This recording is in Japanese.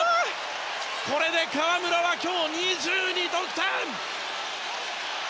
これで河村は今日２２得点！